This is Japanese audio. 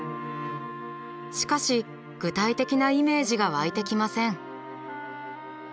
しかし具体的なイメージが湧いてきません。